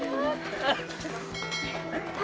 ya ampun tasya